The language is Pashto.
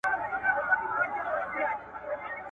زه د تازه میوو په مینځلو بوخت یم.